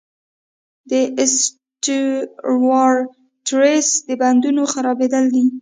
د اوسټیوارتریتس د بندونو خرابېدل دي.